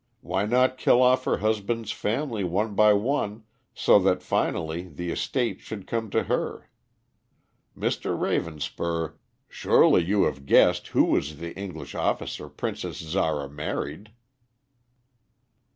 Why not kill off her husband's family one by one so that finally the estates should come to her? Mr. Ravenspur, surely you have guessed who was the English officer Princess Zara married?"